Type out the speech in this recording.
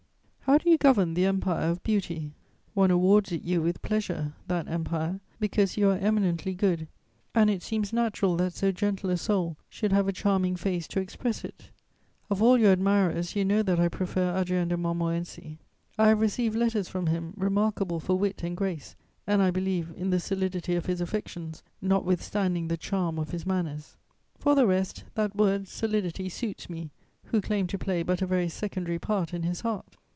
How do you govern the empire of beauty? One awards it you with pleasure, that empire, because you are eminently good, and it seems natural that so gentle a soul should have a charming face to express it. Of all your admirers you know that I prefer Adrien de Montmorency. I have received letters from him, remarkable for wit and grace, and I believe in the solidity of his affections, notwithstanding the charm of his manners. For the rest, that word 'solidity' suits me, who claim to play but a very secondary part in his heart.